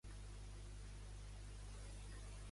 Com va ser campanya de desprestigi personal que va patir Cerdà?